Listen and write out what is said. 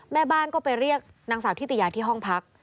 แม่บ้านก็ไปเรียกนางสาวธิติยาที่ห้องพัก